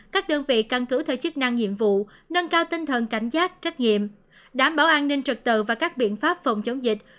các đơn vị căn cứ theo chức năng nhiệm vụ nâng cao tinh thần cảnh giác trách nhiệm đảm bảo an ninh trực tự và các biện pháp phòng chống dịch